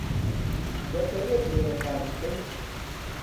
دەتەوێت لێرە کار بکەیت؟